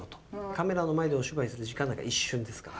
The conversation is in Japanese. カメラの前でお芝居する時間なんか一瞬ですから。